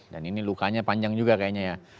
dan ini lukanya panjang juga kayaknya ya